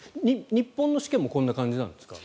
日本の試験もこんな感じなんですか？